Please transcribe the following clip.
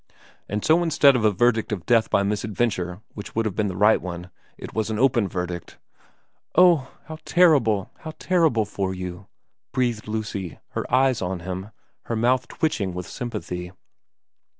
And so instead of a verdict of death by misadventure, which would have been the right one, it was an open verdict.' ' Oh, how terrible how terrible for you,' breathed Lucy, her eyes on his, her mouth twitching with sympathy.